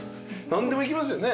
何でもいけますね。